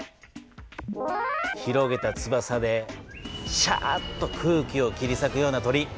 広げたつばさでシャーッと空気を切りさくような鳥。